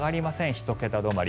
１桁止まり。